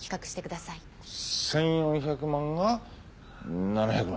１４００万が７００万？